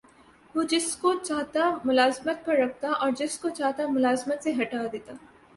وہ جس کو چاہتا ملازمت پر رکھتا اور جس کو چاہتا ملازمت سے ہٹا دیتا